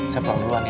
saya pulang duluan ya